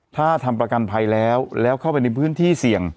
ถ้าทำประกันภัยแล้วแล้วเข้าไปในพื้นที่เสี่ยง